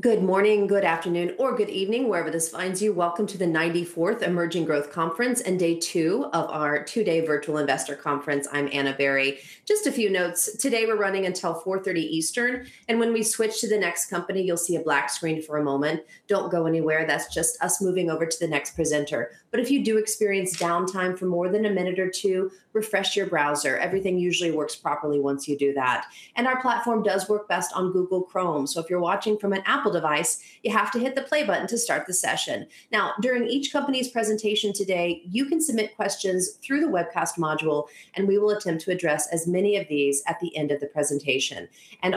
Good morning, good afternoon, or good evening, wherever this finds you. Welcome to the 94th Emerging Growth Conference and day two of our two-day virtual investor conference. I'm Ana Berry. Just a few notes. Today, we're running until 4:30 P.M. Eastern, and when we switch to the next company, you'll see a black screen for a moment. Don't go anywhere. That's just us moving over to the next presenter. But if you do experience downtime for more than a minute or two, refresh your browser. Everything usually works properly once you do that. Our platform does work best on Google Chrome, so if you're watching from an Apple device, you have to hit the play button to start the session. Now, during each company's presentation today, you can submit questions through the webcast module, and we will attempt to address as many of these at the end of the presentation.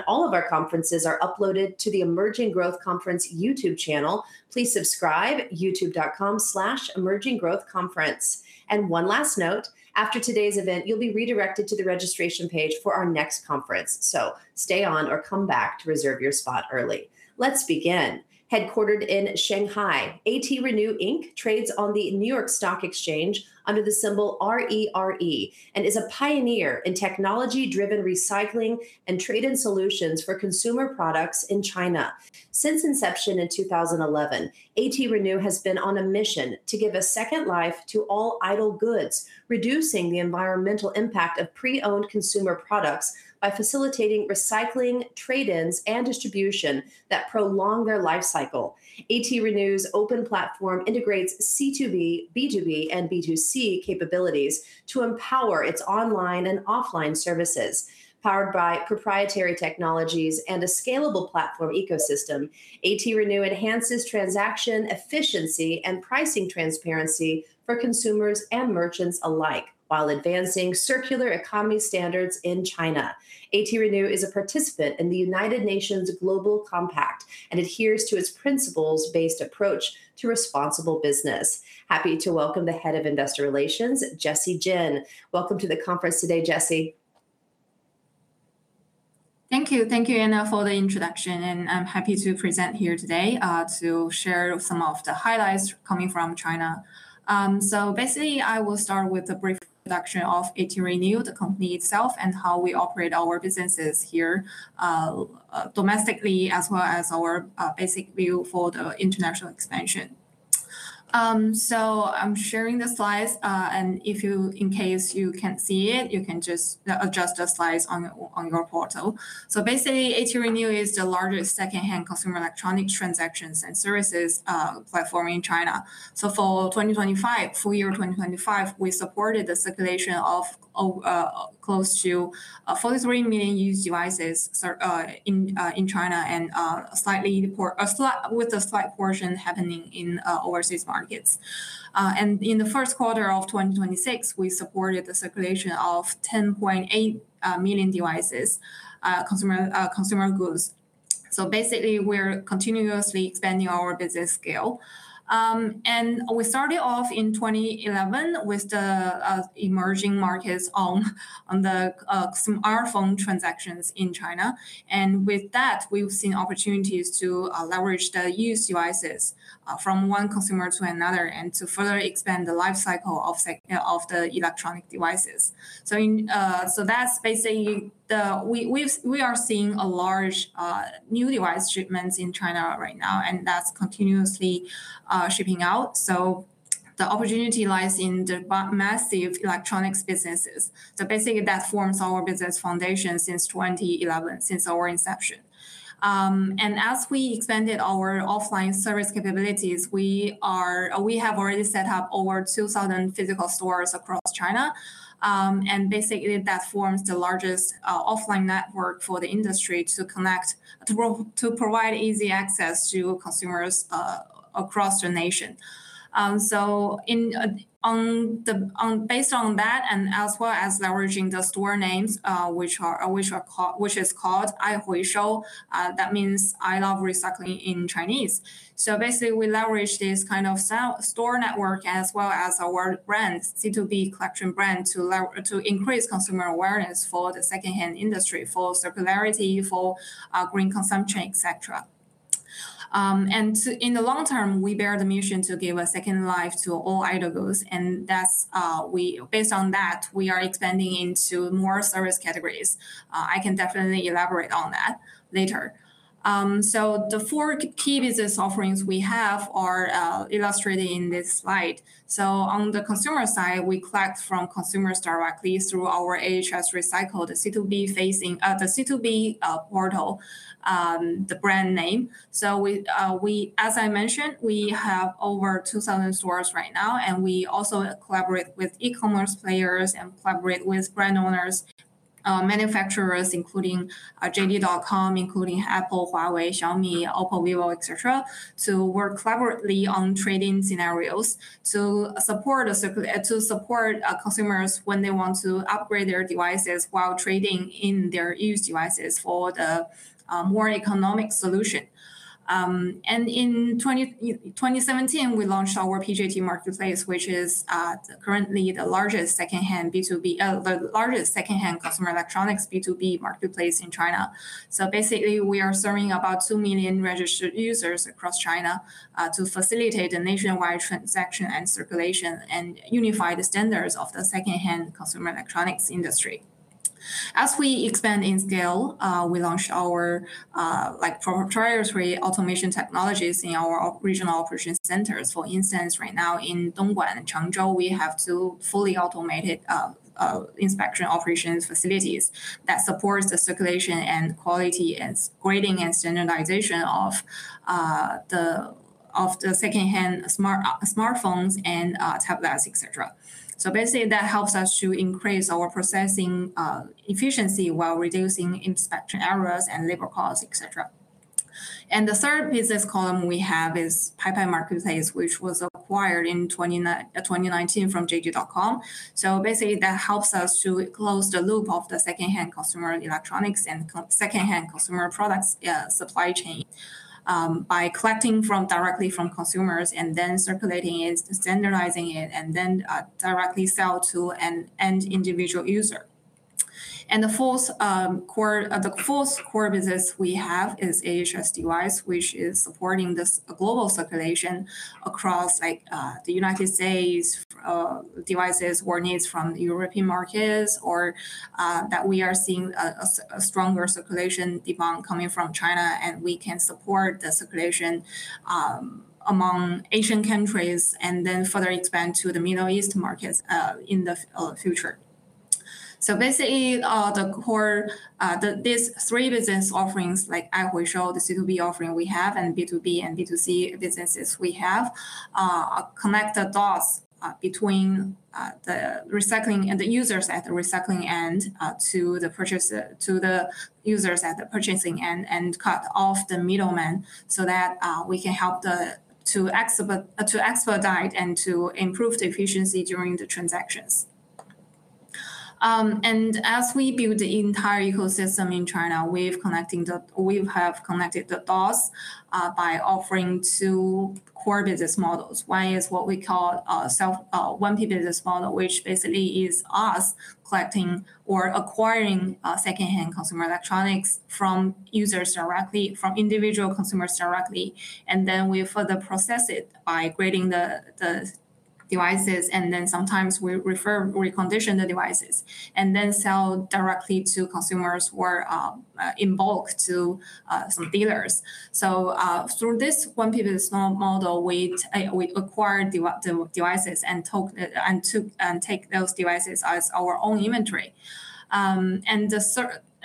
All of our conferences are uploaded to the Emerging Growth Conference YouTube channel. Please subscribe at youtube.com/emerginggrowthconference. One last note, after today's event, you'll be redirected to the registration page for our next conference, so stay on or come back to reserve your spot early. Let's begin. Headquartered in Shanghai, ATRenew Inc. trades on the New York Stock Exchange under the symbol RERE and is a pioneer in technology-driven recycling and trade-in solutions for consumer products in China. Since inception in 2011, ATRenew has been on a mission to give a second life to all idle goods, reducing the environmental impact of pre-owned consumer products by facilitating recycling, trade-ins, and distribution that prolong their life cycle. ATRenew's open platform integrates C2B, B2B, and B2C capabilities to empower its online and offline services. Powered by proprietary technologies and a scalable platform ecosystem, ATRenew enhances transaction efficiency and pricing transparency for consumers and merchants alike, while advancing circular economy standards in China. ATRenew is a participant in the United Nations Global Compact and adheres to its principles-based approach to responsible business. Happy to welcome the head of investor relations, Jessie Jin. Welcome to the conference today, Jessie. Thank you. Thank you, Ana, for the introduction, and I'm happy to present here today to share some of the highlights coming from China. Basically, I will start with a brief introduction of ATRenew, the company itself, and how we operate our businesses here domestically, as well as our basic view for the international expansion. I'm sharing the slides, and in case you can't see it, you can just adjust the slides on your portal. Basically, ATRenew is the largest secondhand consumer electronic transactions and services platform in China. For full year 2025, we supported the circulation of close to 43 million used devices in China, with a slight portion happening in overseas markets. In the first quarter of 2026, we supported the circulation of 10.8 million devices, consumer goods. Basically, we're continuously expanding our business scale. We started off in 2011 with the emerging markets on the smartphone transactions in China. With that, we have seen opportunities to leverage the used devices from one consumer to another and to further expand the life cycle of the electronic devices. We are seeing a large new device shipments in China right now, and that is continuously shipping out. The opportunity lies in the massive electronics businesses. That forms our business foundation since 2011, since our inception. As we expanded our offline service capabilities, we have already set up over 2,000 physical stores across China. That forms the largest offline network for the industry to provide easy access to consumers across the nation. Based on that, as well as leveraging the store names, which is called. That means "I love recycling" in Chinese. We leverage this kind of store network as well as our brand, C2B collection brand, to increase consumer awareness for the secondhand industry, for circularity, for green consumption, et cetera. In the long term, we bear the mission to give a second life to all idle goods. Based on that, we are expanding into more service categories. I can definitely elaborate on that later. The four key business offerings we have are illustrated in this slide. On the consumer side, we collect from consumers directly through our AHS Recycle, the C2B portal, the brand name. As I mentioned, we have over 2,000 stores right now. We also collaborate with e-commerce players and collaborate with brand owners, manufacturers, including JD.com, including Apple, Huawei, Xiaomi, Oppo, Vivo, et cetera, to work collaboratively on trade-in scenarios to support consumers when they want to upgrade their devices while trading in their used devices for the more economic solution. In 2017, we launched our PJT Marketplace, which is currently the largest secondhand customer electronics B2B marketplace in China. We are serving about two million registered users across China to facilitate a nationwide transaction and circulation and unify the standards of the secondhand consumer electronics industry. As we expand in scale, we launch our proprietary automation technologies in our regional operation centers. For instance, right now in Dongguan and Changzhou, we have two fully automated inspection operations facilities that supports the circulation and quality and grading and standardization of the secondhand smartphones and tablets, et cetera. The third business column we have is Paipai Marketplace, which was acquired in 2019 from JD.com. That helps us to close the loop of the secondhand customer electronics and secondhand customer products supply chain, by collecting directly from consumers, and then circulating it, standardizing it, and then directly sell to an end individual user. The fourth core business we have is AHS Device, which is supporting this global circulation across the U.S. devices or needs from the European markets, or that we are seeing a stronger circulation demand coming from China. We can support the circulation among Asian countries, then further expand to the Middle East markets in the future. Basically, these three business offerings, like AHS Recycle, the C2B offering we have, and B2B and B2C businesses we have, connect the dots between the recycling and the users at the recycling end, to the users at the purchasing end, and cut off the middleman that we can help to expedite and to improve the efficiency during the transactions. As we build the entire ecosystem in China, we have connected the dots by offering two core business models. One is what we call 1P business model, which basically is us collecting or acquiring secondhand consumer electronics from users directly, from individual consumers directly. We further process it by grading the devices, then sometimes we recondition the devices, then sell directly to consumers or in bulk to some dealers. Through this 1P business model, we acquire the devices and take those devices as our own inventory.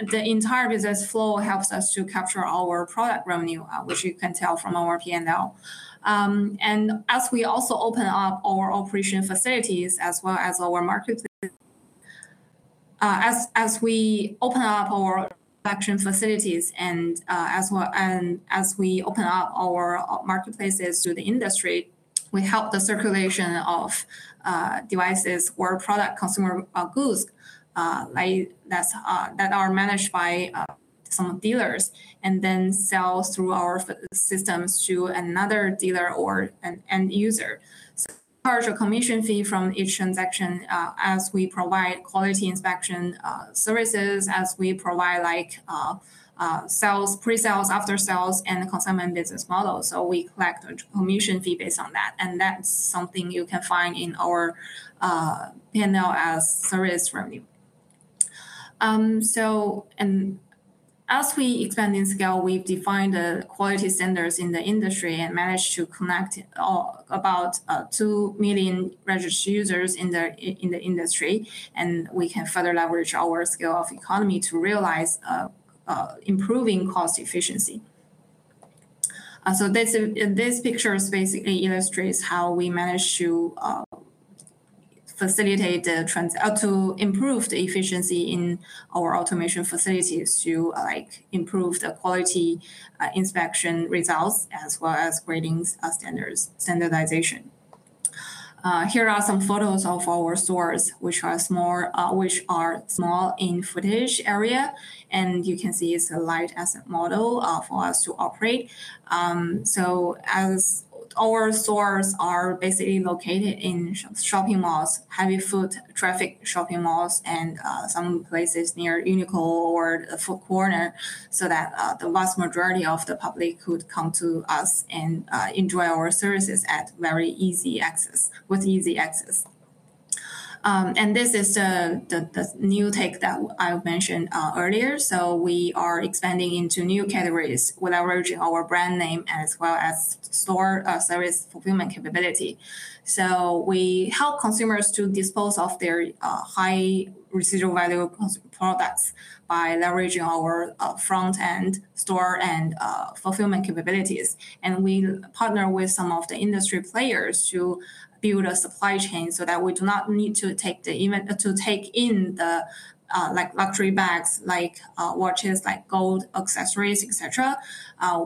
The entire business flow helps us to capture our product revenue, which you can tell from our P&L. As we also open up our operation facilities as well as our marketplace. As we open up our production facilities and as we open up our marketplaces to the industry, we help the circulation of devices or product consumer goods that are managed by some dealers, then sell through our systems to another dealer or an end user. Charge a commission fee from each transaction as we provide quality inspection services, as we provide pre-sales, after sales, and the consignment business model. We collect a commission fee based on that, and that's something you can find in our P&L as service revenue. As we expand in scale, we've defined the quality standards in the industry and managed to connect about two million registered users in the industry. We can further leverage our scale of economy to realize improving cost efficiency. This picture basically illustrates how we managed to improve the efficiency in our automation facilities to improve the quality inspection results as well as grading standardization. Here are some photos of our stores, which are small in footage area, and you can see it's a light asset model for us to operate. Our stores are basically located in shopping malls, heavy foot traffic shopping malls, and some places near Uniqlo or Foot Locker, that the vast majority of the public could come to us and enjoy our services with easy access. This is the new take that I mentioned earlier. We are expanding into new categories, leveraging our brand name as well as store service fulfillment capability. We help consumers to dispose off their high residual value products by leveraging our front-end store and fulfillment capabilities. We partner with some of the industry players to build a supply chain so that we do not need to take in the luxury bags, watches, gold, accessories, et cetera.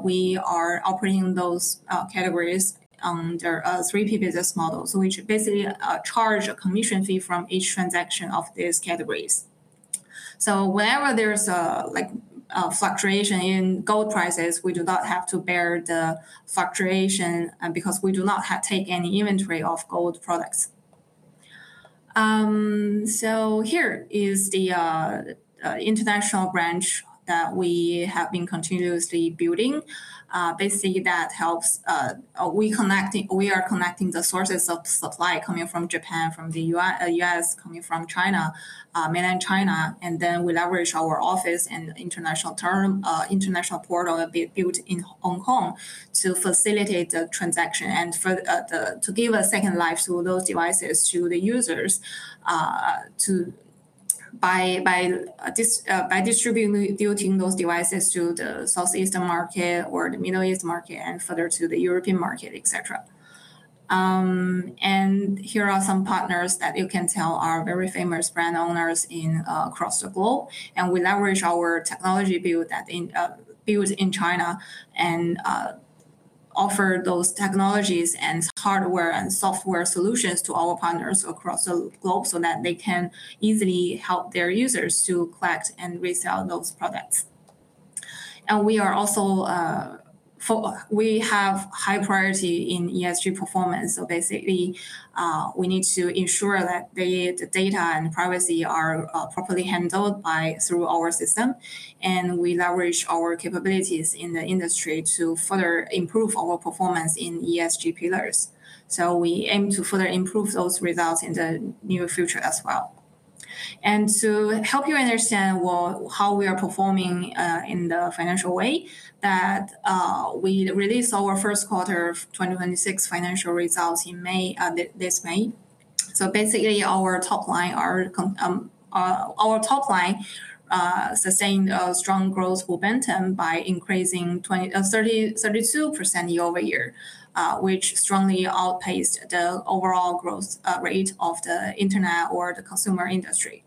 We are operating those categories under a 3P business model. We basically charge a commission fee from each transaction of these categories. Whenever there's a fluctuation in gold prices, we do not have to bear the fluctuation because we do not take any inventory of gold products. Here is the international branch that we have been continuously building. Basically, we are connecting the sources of supply coming from Japan, from the U.S., coming from mainland China. Then we leverage our office and international portal built in Hong Kong to facilitate the transaction, and to give a second life to those devices to the users by distributing those devices to the Southeastern market or the Middle East market and further to the European market, et cetera. Here are some partners that you can tell are very famous brand owners across the globe. We leverage our technology built in China, and offer those technologies and hardware and software solutions to all partners across the globe so that they can easily help their users to collect and resell those products. We have high priority in ESG performance. Basically, we need to ensure that the data and privacy are properly handled through our system, and we leverage our capabilities in the industry to further improve our performance in ESG pillars. We aim to further improve those results in the near future as well. To help you understand how we are performing in the financial way, we released our first quarter of 2026 financial results this May. Basically, our top line sustained strong growth momentum by increasing 32% year-over-year, which strongly outpaced the overall growth rate of the internet or the consumer industry.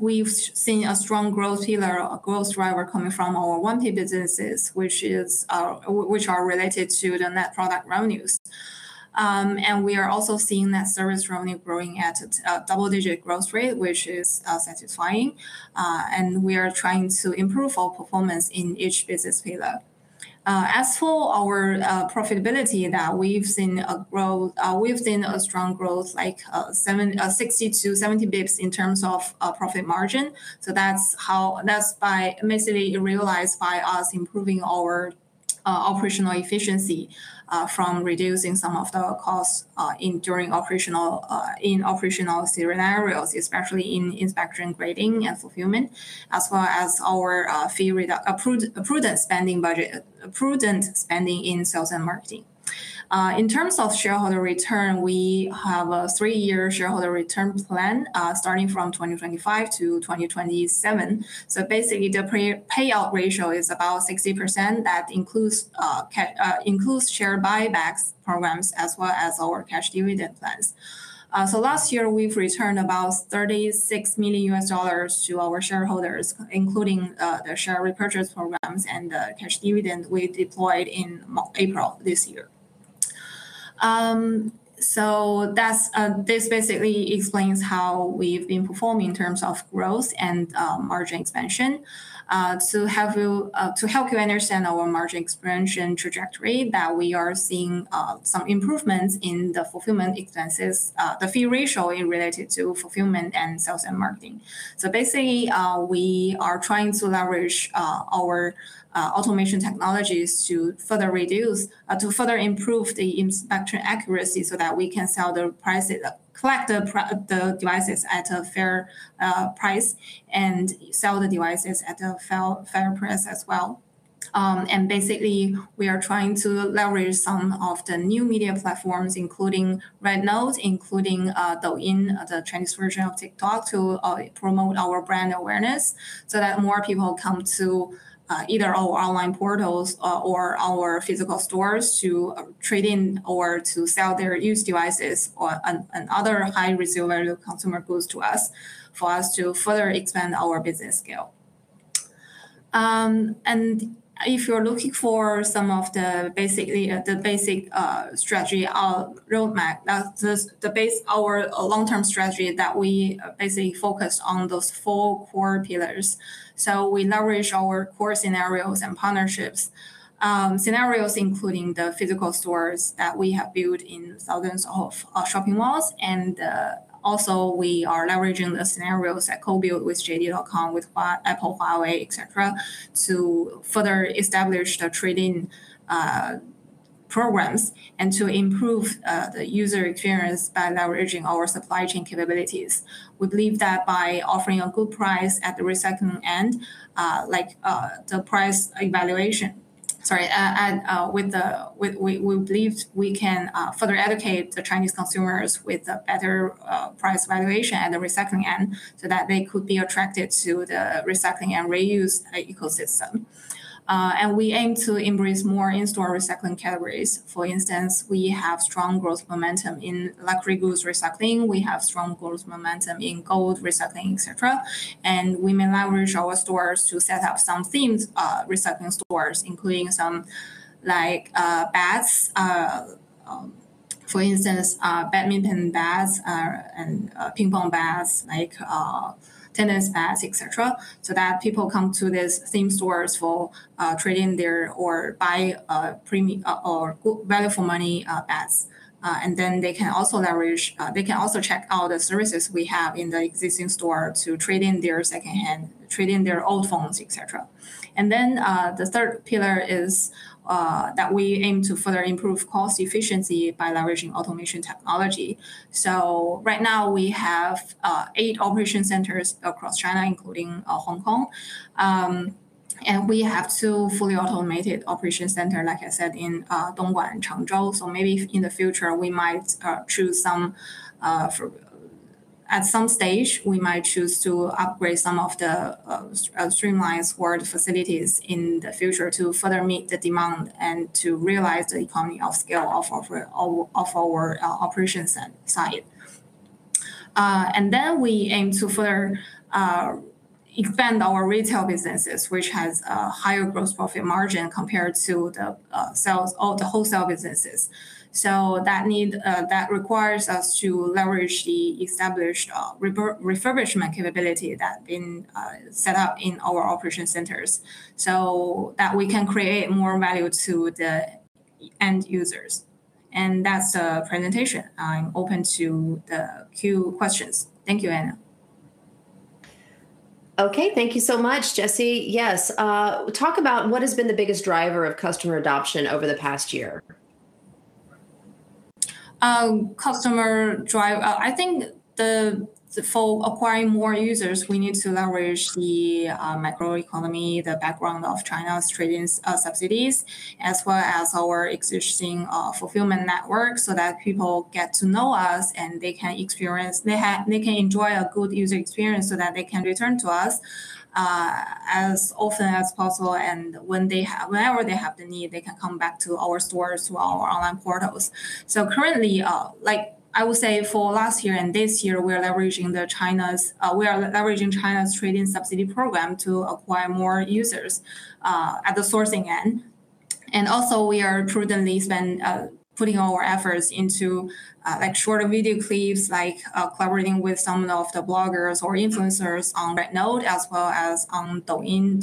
We've seen a strong growth driver coming from our 1P businesses, which are related to the net product revenues. We are also seeing that service revenue growing at a double-digit growth rate, which is satisfying. We are trying to improve our performance in each business pillar. As for our profitability, we've seen a strong growth, like 60 basis points-70 basis points in terms of profit margin. That's basically realized by us improving our operational efficiency, from reducing some of the costs in operational scenarios, especially in inspection, grading, and fulfillment, as well as our prudent spending in sales and marketing. In terms of shareholder return, we have a three-year shareholder return plan, starting from 2025-2027. Basically, the payout ratio is about 60%. That includes share buybacks programs as well as our cash dividend plans. Last year, we've returned about $36 million to our shareholders, including the share repurchase programs and the cash dividend we deployed in April this year. This basically explains how we've been performing in terms of growth and margin expansion. To help you understand our margin expansion trajectory, that we are seeing some improvements in the fulfillment expenses, the fee ratio related to fulfillment and sales and marketing. Basically, we are trying to leverage our automation technologies to further improve the inspection accuracy so that we can collect the devices at a fair price and sell the devices at a fair price as well. Basically, we are trying to leverage some of the new media platforms, including RedNote, including Douyin, the Chinese version of TikTok, to promote our brand awareness so that more people come to either our online portals or our physical stores to trade in or to sell their used devices or other high resale value consumer goods to us for us to further expand our business scale. If you're looking for some of the basic strategy, our roadmap. That's just our long-term strategy that we basically focus on those four core pillars. We leverage our core scenarios and partnerships. Scenarios including the physical stores that we have built in thousands of our shopping malls. Also we are leveraging the scenarios that co-built with JD.com, with Apple, Huawei, et cetera, to further establish the trade-in programs and to improve the user experience by leveraging our supply chain capabilities. We believe that by offering a good price at the recycling end. We believe we can further educate the Chinese consumers with a better price valuation at the recycling end, so that they could be attracted to the recycling and reuse ecosystem. We aim to embrace more in-store recycling categories. For instance, we have strong growth momentum in luxury goods recycling. We have strong growth momentum in gold recycling, et cetera. We may leverage our stores to set up some themed recycling stores, including some like bats. For instance, badminton bats and ping pong bats, tennis bats, et cetera, so that people come to these same stores for trade-in or buy value-for-money bats. They can also check out the services we have in the existing store to trade-in their old phones, et cetera. The third pillar is that we aim to further improve cost efficiency by leveraging automation technology. Right now, we have eight operation centers across China, including Hong Kong, and we have two fully automated operation center, like I said, in Dongguan and Changzhou. Maybe in the future, at some stage, we might choose to upgrade some of the streamlined facilities in the future to further meet the demand and to realize the economy of scale of our operations side. We aim to further expand our retail businesses, which has a higher gross profit margin compared to the wholesale businesses. That requires us to leverage the established refurbishment capability that's been set up in our operation centers so that we can create more value to the end users. That's the presentation. I'm open to the queue questions. Thank you, Ana. Okay. Thank you so much, Jessie. Yes. Talk about what has been the biggest driver of customer adoption over the past year. I think for acquiring more users, we need to leverage the macro economy, the background of China's trade-ins subsidies, as well as our existing fulfillment network, so that people get to know us and they can enjoy a good user experience, so that they can return to us as often as possible. Whenever they have the need, they can come back to our stores or our online portals. Currently, I would say for last year and this year, we are leveraging China's trade-in subsidy program to acquire more users at the sourcing end. Also, we are prudently putting all our efforts into shorter video clips, like collaborating with some of the bloggers or influencers on RedNote, as well as on Douyin,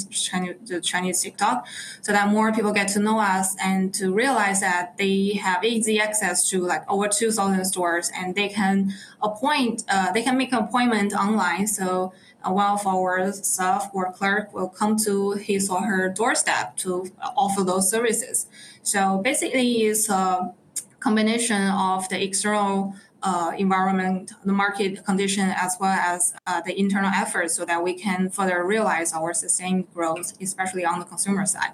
the Chinese TikTok, so that more people get to know us and to realize that they have easy access to over 2,000 stores, and they can make an appointment online, so one of our staff or clerk will come to his or her doorstep to offer those services. Basically, it's a combination of the external environment, the market condition, as well as the internal efforts, so that we can further realize our sustained growth, especially on the consumer side.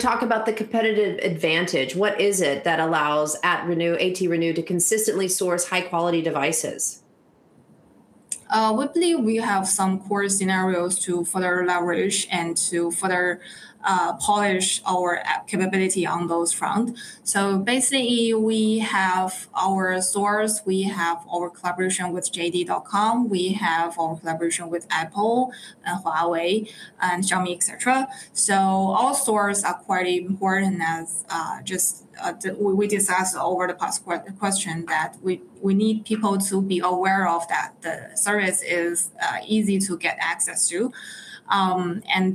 Talk about the competitive advantage. What is it that allows ATRenew, ATRenew, to consistently source high-quality devices? We believe we have some core scenarios to further leverage and to further polish our app capability on those front. We have our stores, we have our collaboration with JD.com, we have our collaboration with Apple, Huawei and Xiaomi, et cetera. All stores are quite important, as we discussed over the past question, that we need people to be aware of that. The service is easy to get access to, and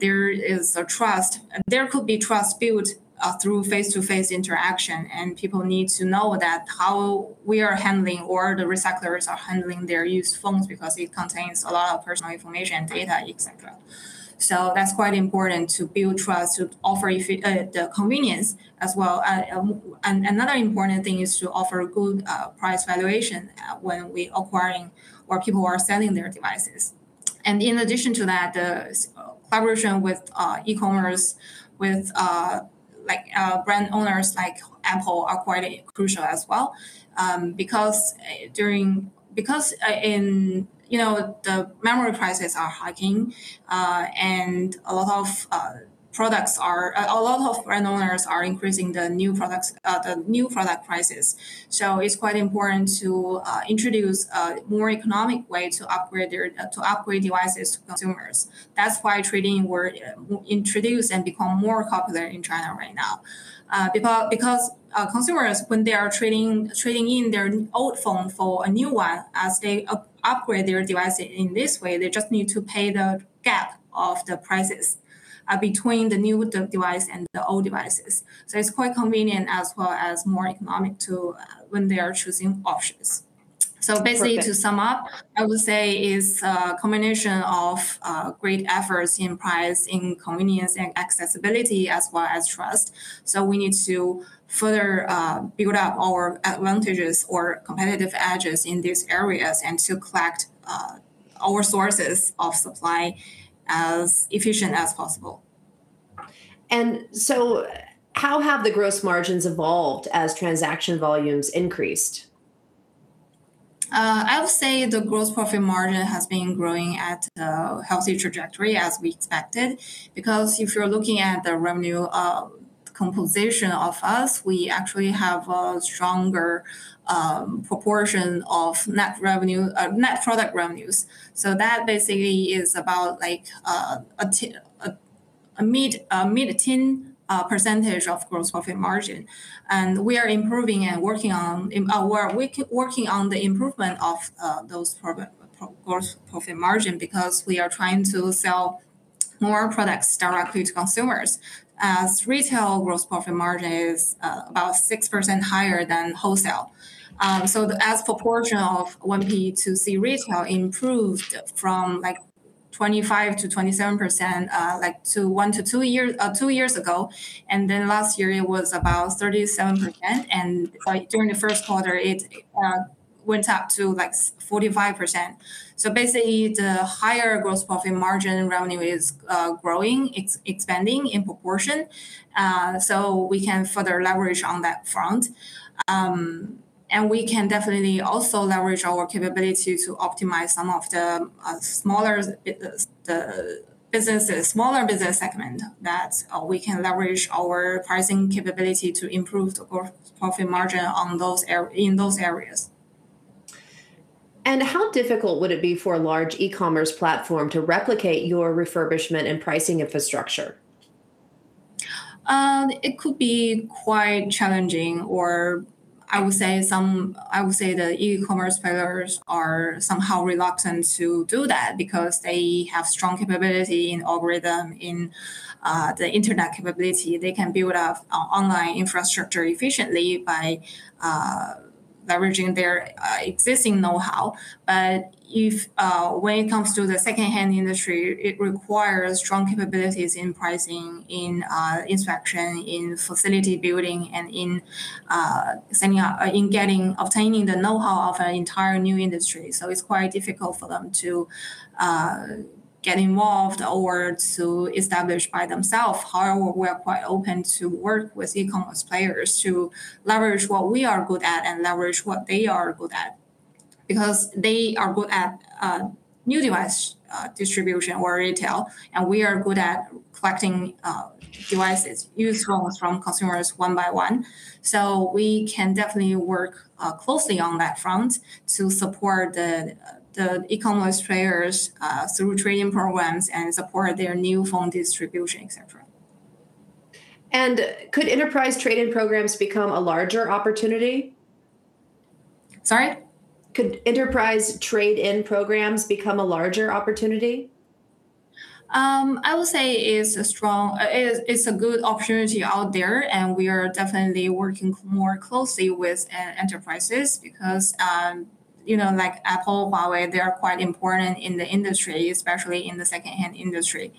there could be trust built through face-to-face interaction, and people need to know that how we are handling, or the recyclers are handling their used phones, because it contains a lot of personal information, data, et cetera. That's quite important to build trust, to offer the convenience as well. Another important thing is to offer good price valuation when we acquiring, or people who are selling their devices. In addition to that, the collaboration with e-commerce, with brand owners like Apple, are quite crucial as well. Because the memory prices are hiking, and a lot of brand owners are increasing the new product prices. It's quite important to introduce a more economic way to upgrade devices to consumers. That's why trade-in were introduced and become more popular in China right now. Because consumers, when they are trading in their old phone for a new one, as they upgrade their device in this way, they just need to pay the gap of the prices between the new device and the old devices. It's quite convenient as well as more economic too, when they are choosing options. Perfect. Basically to sum up, I would say it's a combination of great efforts in price, in convenience and accessibility, as well as trust. We need to further build up our advantages or competitive edges in these areas and to collect our sources of supply as efficient as possible. How have the gross margins evolved as transaction volumes increased? I would say the gross profit margin has been growing at a healthy trajectory as we expected, because if you are looking at the revenue composition of us, we actually have a stronger proportion of net product revenues. That basically is about a mid-teen percentage of gross profit margin. We are working on the improvement of those gross profit margin because we are trying to sell more products directly to consumers, as retail gross profit margin is about 6% higher than wholesale. As proportion of 1P2C retail improved from 25%-27%, one to two years ago, and then last year it was about 37%, and during the first quarter, it went up to 45%. Basically, the higher gross profit margin revenue is growing, it is expanding in proportion. We can further leverage on that front. We can definitely also leverage our capability to optimize some of the smaller business segment, that we can leverage our pricing capability to improve the gross profit margin in those areas. How difficult would it be for a large e-commerce platform to replicate your refurbishment and pricing infrastructure? It could be quite challenging, or I would say the e-commerce sellers are somehow reluctant to do that because they have strong capability in algorithm, in the internet capability. They can build up online infrastructure efficiently by leveraging their existing knowhow. When it comes to the second-hand industry, it requires strong capabilities in pricing, in inspection, in facility building, and in obtaining the knowhow of an entire new industry. It is quite difficult for them to get involved or to establish by themself. However, we are quite open to work with e-commerce players to leverage what we are good at and leverage what they are good at. They are good at new device distribution or retail, and we are good at collecting devices used from consumers one by one. We can definitely work closely on that front to support the e-commerce players through trading programs and support their new phone distribution, et cetera. Could enterprise trade-in programs become a larger opportunity? Sorry? Could enterprise trade-in programs become a larger opportunity? I would say it's a good opportunity out there, and we are definitely working more closely with enterprises because, like Apple, Huawei, they are quite important in the industry, especially in the second-hand industry.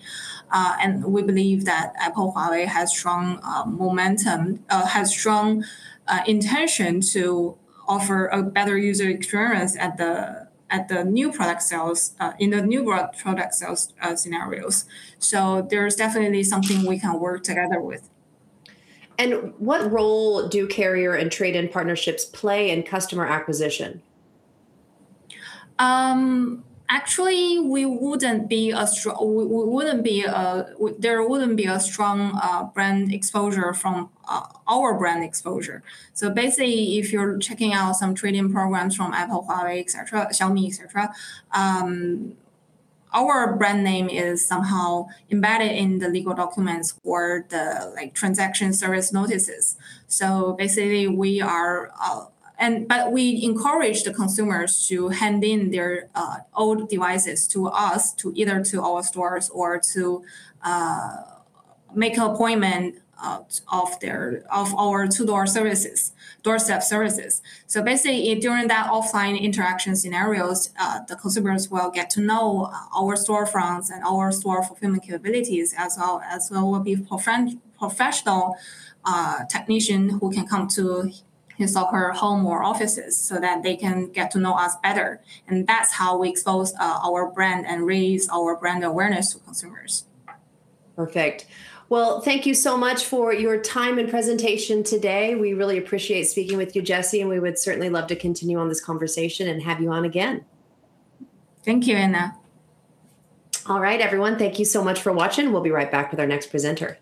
We believe that Apple, Huawei has strong intention to offer a better user experience in the new product sales scenarios. There's definitely something we can work together with. What role do carrier and trade-in partnerships play in customer acquisition? Actually, there wouldn't be a strong brand exposure from our brand exposure. Basically, if you're checking out some trading programs from Apple, Huawei, et cetera, Xiaomi, et cetera, our brand name is somehow embedded in the legal documents or the transaction service notices. We encourage the consumers to hand in their old devices to us, to either to our stores or to make an appointment of our two doorstep services. Basically, during that offline interaction scenarios, the consumers will get to know our storefronts and our store fulfillment capabilities as well as know will be professional technician who can come to his or her home or offices so that they can get to know us better. That's how we expose our brand and raise our brand awareness to consumers. Perfect. Well, thank you so much for your time and presentation today. We really appreciate speaking with you, Jessie, and we would certainly love to continue on this conversation and have you on again. Thank you, Ana. All right, everyone. Thank you so much for watching. We'll be right back with our next presenter